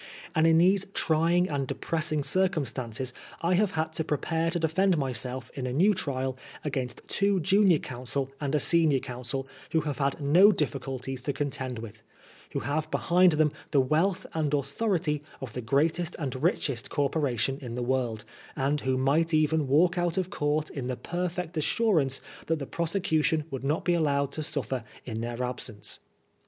And in these trying and depressing circumstances I have had to prepare to defend myself in a new trial against two junior counsel and a senior counsel, who have had no diffi culties to contend with, who have behind them the wealth and authority of the greatest and richest Corporation in the world, and who might even walk out of court in the perfect assurance that the prosecution would not be allowed to suffer in their absence.